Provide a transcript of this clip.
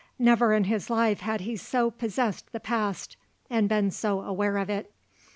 Never in his life had he so possessed the past and been so aware of it.